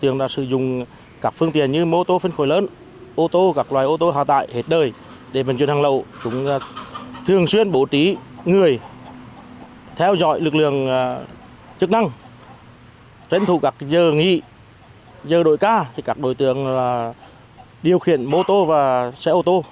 ngoại lực lượng chức năng tránh thủ các giờ nghị giờ đội ca các đối tượng điều khiển mô tô và xe ô tô